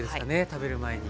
食べる前に。